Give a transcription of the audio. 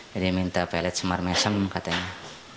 jadi minta pelet semar mesem katanya